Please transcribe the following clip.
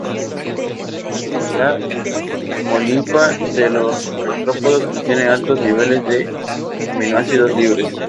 La hemolinfa de los artrópodos contiene altos niveles de aminoácidos libres.